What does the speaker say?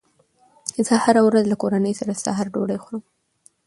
زه هره ورځ له کورنۍ سره د سهار ډوډۍ خورم